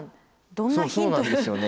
そうなんですよね。